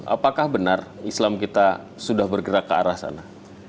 apakah benar islam kita sudah bergerak ke arah sana